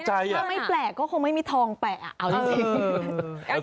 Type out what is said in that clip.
ถ้าไม่แปลกก็คงไม่มีทองแปะเอาจริง